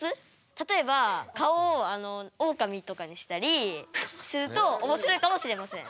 例えば顔をおおかみとかにしたりするとおもしろいかもしれません。